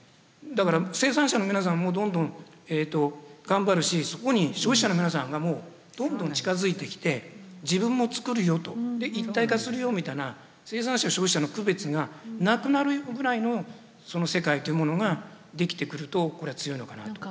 だから生産者の皆さんもどんどん頑張るしそこに消費者の皆さんがもうどんどん近づいてきて自分も作るよとで一体化するよみたいな生産者消費者の区別がなくなるぐらいのその世界というものができてくるとこれは強いのかなと。